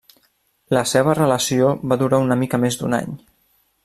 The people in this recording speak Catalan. La seva relació va durar una mica més d'un any.